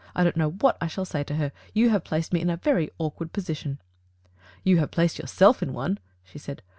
I don't know what I shall say to hen You have placed me in a very awkward position." "You have placed yourself in one/' she said.